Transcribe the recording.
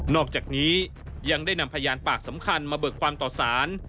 อกจากนี้ยังได้นำพยานปากสำคัญมาเบิกความต่อสาร